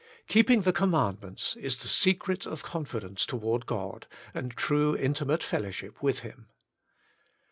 Keeping the command ments is the secret of confidence toward God, and true intimate fellowship with Him.